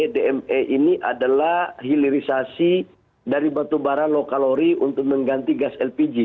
dme ini adalah hilirisasi dari batubara low calory untuk mengganti gas lpg